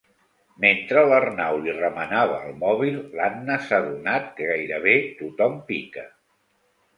Mentre l'Arnau li remenava el mòbil, l'Anna s'ha adonat que gairebé tothom pica.